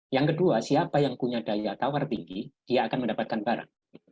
yang kedua siapa yang punya daya tawar tinggi dia akan mendapatkan barang